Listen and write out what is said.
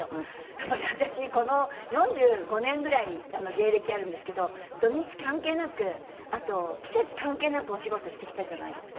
やっぱり私この４５年ぐらい芸歴あるんですけど土日関係なくあと季節関係なくお仕事してきたじゃないですか。